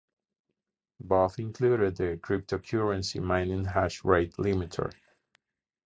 Both included the cryptocurrency mining hash rate limiter.